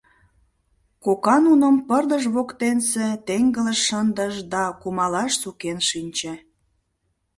Кока нуным пырдыж воктенсе теҥгылыш шындыш да кумалаш сукен шинче.